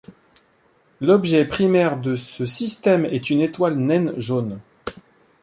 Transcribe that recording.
L'objet primaire de ce système est une étoile naine jaune.